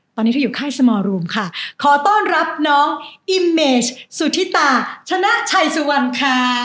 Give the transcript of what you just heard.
ตอนนี้เธออยู่ค่ายสมอร์รูมค่ะขอต้อนรับน้องอิมเมจสุธิตาชนะชัยสุวรรณค่ะ